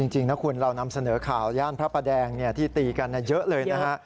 จริงนะคุณเรานำเสนอข่าวย่านพระประแดงที่ตีกันเยอะเลยนะฮะ